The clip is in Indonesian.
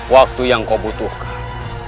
waktu yang kau butuhkan